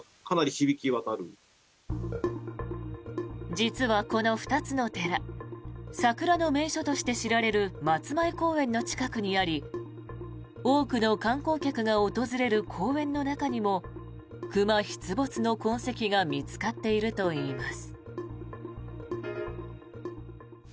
実はこの２つの寺桜の名所として知られる松前公園の近くにあり多くの観光客が訪れる公園の中にも熊出没の痕跡が見つかっているといいます。